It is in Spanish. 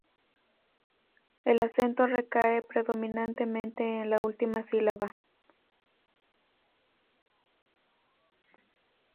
El acento recae predominantemente en la última sílaba.